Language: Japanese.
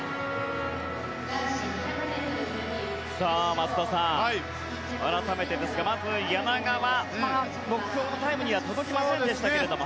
松田さん、改めてですがまず、柳川は目標のタイムには届きませんでしたけれども。